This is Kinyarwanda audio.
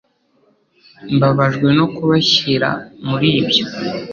Mbabajwe no kubashyira muri ibyo.